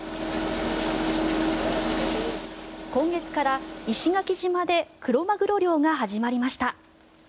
今月から石垣島でクロマグロ漁が始まりました。